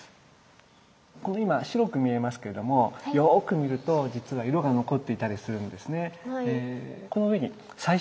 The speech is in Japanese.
これ今白く見えますけれどもよく見ると実は色が残っていたりするんですね。